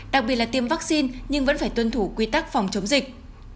đặc biệt là tiêm vaccine nhưng vẫn phải tuân thủ quy tắc phòng chống dịch